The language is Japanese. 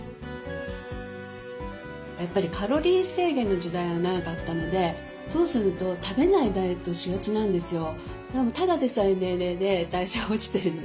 やっぱりカロリー制限の時代が長かったのでともすると食べないダイエットをしがちなんですよ。